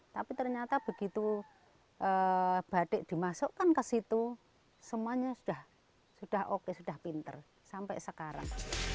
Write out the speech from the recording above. tapi ternyata begitu batik dimasukkan ke situ semuanya sudah oke sudah pinter sampai sekarang